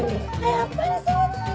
やっぱりそうだ！